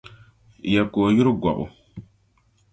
Ya ka o yuri gɔbu?